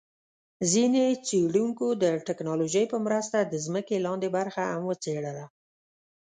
ځیني څېړونکو د ټیکنالوجۍ په مرسته د ځمکي لاندي برخه هم وڅېړله